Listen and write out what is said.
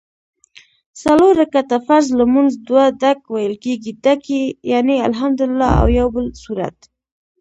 څلور رکعته فرض لمونځ دوه ډک ویل کېږي ډک یعني الحمدوالله او یوبل سورت